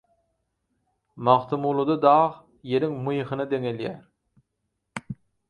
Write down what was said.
Magtymgulyda dag «Ýeriň myhyna» deňelýär.